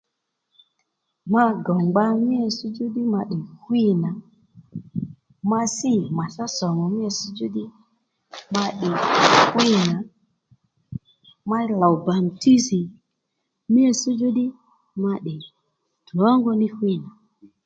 Ma gòw ngba mí itsś djú ma tdè hwî nà ma sî màtsá sòmù mí itsś djú ma tdè hwî nà ma lòw bàmtísi mí itsś djú ddí ma tdè drǒngóní hwî nà